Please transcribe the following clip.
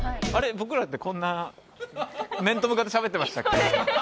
僕らってこんな面と向かってしゃべってましたっけ？